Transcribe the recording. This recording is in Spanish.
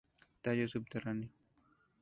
Tallo subterráneo.